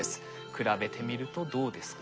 比べてみるとどうですか？